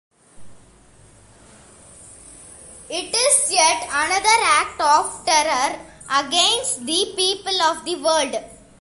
It is yet another act of terror against the people of the world.